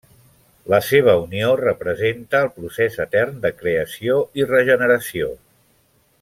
La seva unió representa el procés etern de creació i regeneració.